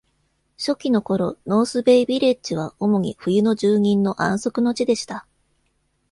初期の頃、ノース・ベイ・ビレッジは主に冬の住人の安息の地でした。